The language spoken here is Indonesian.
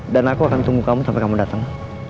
dan aku akan tunggu kamu sampai kamu datang